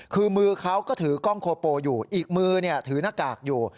คือมือเขาก็ถือกล้องโคโปอยู่อีกมือถือหน้ากากอยู่